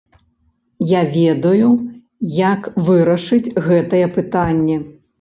Я ведаю як вырашыць гэтае пытанне!